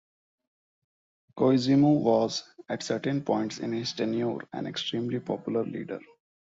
Koizumi was at certain points in his tenure an extremely popular leader.